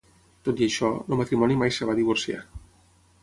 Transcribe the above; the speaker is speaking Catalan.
Tot i això, el matrimoni mai es va divorciar.